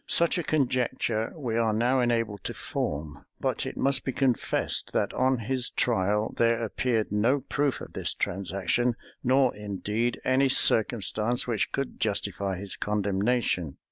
Such a conjecture we are now enabled to form; but it must be confessed, that on his trial there appeared no proof of this transaction, nor indeed any circumstance which could justify his condemnation.